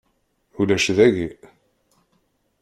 Ulac dagi.